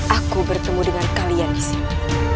aku bertemu dengan kalian di sini